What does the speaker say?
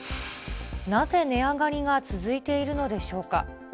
なぜ値上がりが続いているのでしょうか。